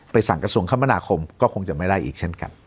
สั่งกระทรวงคมนาคมก็คงจะไม่ได้อีกเช่นกัน